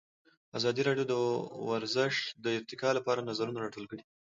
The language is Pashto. ازادي راډیو د ورزش د ارتقا لپاره نظرونه راټول کړي.